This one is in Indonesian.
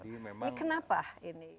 ini kenapa ini